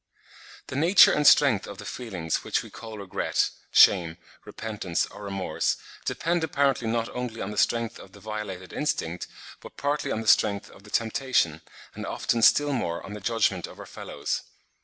The nature and strength of the feelings which we call regret, shame, repentance or remorse, depend apparently not only on the strength of the violated instinct, but partly on the strength of the temptation, and often still more on the judgment of our fellows.